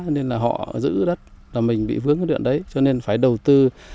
nên là họ giữ đất là mình bị vướng cái điện đấy cho nên phải đầu tư